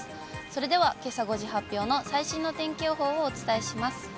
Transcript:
それではけさ５時発表の、最新の天気予報をお伝えします。